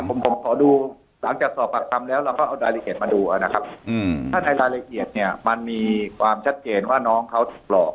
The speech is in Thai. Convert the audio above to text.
ผมผมขอดูหลังจากสอบปากคำแล้วเราก็เอารายละเอียดมาดูนะครับถ้าในรายละเอียดเนี่ยมันมีความชัดเจนว่าน้องเขาถูกหลอก